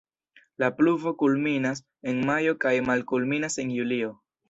La pluvo kulminas en majo kaj malkulminas en julio.